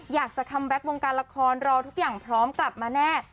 คัมแบ็ควงการละครรอทุกอย่างพร้อมกลับมาแน่